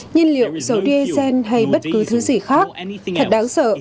nhiên liệu dầu diesel hay bất cứ thứ gì khác thật đáng sợ